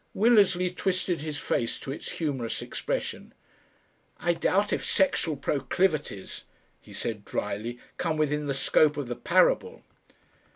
Willersley twisted his face to its humorous expression. "I doubt if sexual proclivities," he said drily, "come within the scope of the parable."